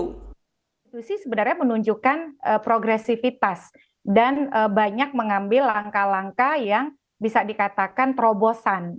konstitusi sebenarnya menunjukkan progresivitas dan banyak mengambil langkah langkah yang bisa dikatakan terobosan